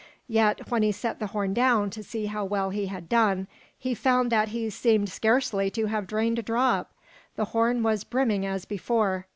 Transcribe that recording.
Yet when he set the horn down to see how well he had done, he found that he seemed scarcely to have drained a drop; the horn was brimming as before.